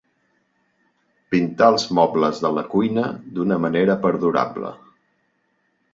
Pintar els mobles de la cuina d'una manera perdurable.